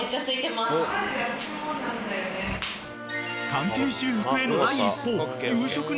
［関係修復への第一歩］